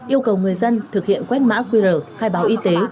yêu cầu người dân thực hiện quét mã qr khai báo y tế